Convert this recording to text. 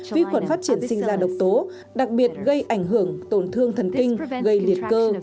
vi khuẩn phát triển sinh là độc tố đặc biệt gây ảnh hưởng tổn thương thần kinh gây liệt cơ